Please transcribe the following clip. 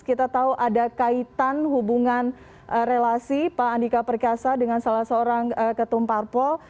kita tahu ada kaitan hubungan relasi pak andika perkasa dengan salah seorang ketumparpol